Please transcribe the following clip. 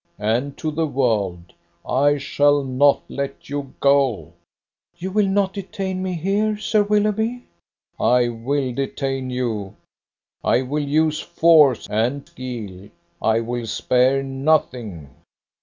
And to the world! I shall not let you go." "You will not detain me here, Sir Willoughby?" "I will detain you. I will use force and guile. I will spare nothing."